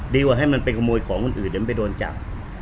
ดีกว่าให้มันไปขโมยของคนอื่นมันไปโดนจับ